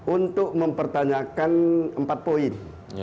untuk mempertanyakan empat poin